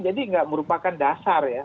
jadi tidak merupakan dasar ya